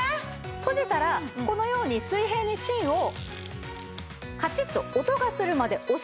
閉じたらこのように水平に芯をカチッと音がするまで押し込めばオーケーです。